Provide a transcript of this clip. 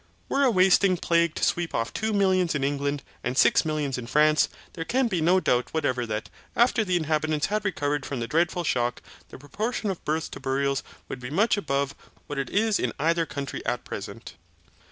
Were a wasting plague to sweep off two millions in England, and six millions in France, there can be no doubt whatever that, after the inhabitants had recovered from the dreadful shock, the proportion of births to burials would be much above what it is in either country at present.